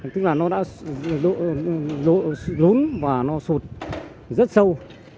tức là nó đã rốn và nó sụt rất sâu